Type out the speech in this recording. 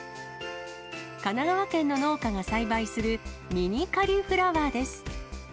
神奈川県の農家が栽培するミニカリフラワーです。